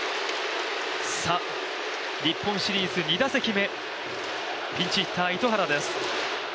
日本シリーズ、２打席目ピンチヒッター、糸原です。